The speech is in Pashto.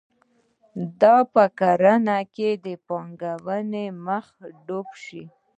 دا په کرنه کې د پانګونې مخه ډپ شوه.